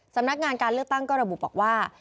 สำนักงานการเลือกตั้งก็ระบุบอกว่า